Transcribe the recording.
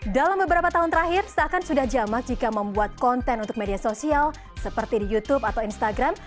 dalam beberapa tahun terakhir seakan sudah jamak jika membuat konten untuk media sosial seperti di youtube atau instagram